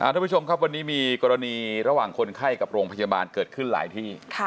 ทุกผู้ชมครับวันนี้มีกรณีระหว่างคนไข้กับโรงพยาบาลเกิดขึ้นหลายที่